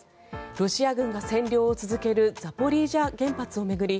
ロシア軍が占領を続けるザポリージャ原発を巡り